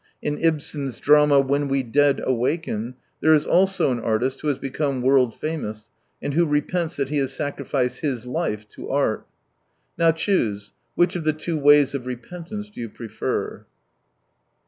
In Ibsen's drama. When We Dead Awaken, there is also an artist, who has become world famous, and who repents that he has sacrificed his life — to art. Now, choose — which of the two ways of repentance do you prefer